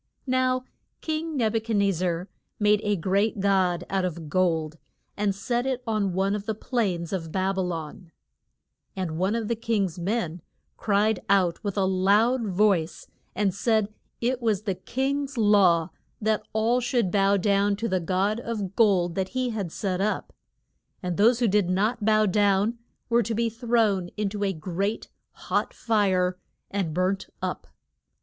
Now king Neb u chad nez zar made a great god out of gold, and set it on one of the plains of Bab y lon. [Illustration: NEB U CHAD NEZ ZAR'S DREAM.] And one of the king's men cried out with a loud voice, and said it was the king's law that all should bow down to the god of gold that he had set up. And those who did not bow down were to be thrown in to a great hot fire and burnt up.